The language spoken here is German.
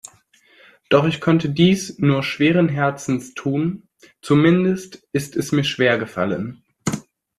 Doch ich konnte dies nur schweren Herzens tun, zumindest ist es mir schwer gefallen.